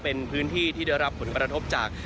เป็นพื้นที่ที่ได้รับผลกระทบจาก